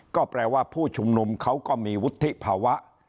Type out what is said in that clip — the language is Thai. ก็แปลว่าผู้ชุมนุมเขาก็มีวุฒิภาวะ